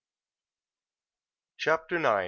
CHAPTER IX.